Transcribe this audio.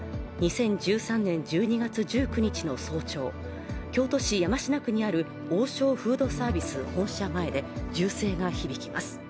２０１３年１２月１９日の早朝、京都市山科区にある王将フードサービス本社前で銃声が響きます。